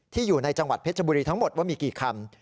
อยู่ในจังหวัดเพชรบุรีทั้งหมดว่ามีกี่คำ